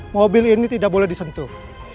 mobil ini tidak boleh disentuh